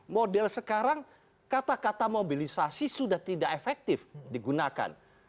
model sekarang kata kata mobilisasi sudah tidak efektif digunakan